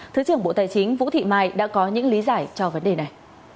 thứ trưởng bộ tài chính vũ thị mai đã có những lý giải cho vấn đề này